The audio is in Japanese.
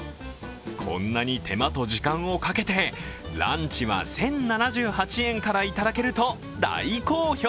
こんなに手間と時間をかけてランチは１０７８円からいただけると大好評。